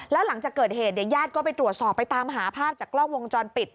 แล้วหลังจากเกิดเหตุเนี่ยญาติก็ไปตรวจสอบไปตามหาภาพจากกล้องวงจรปิด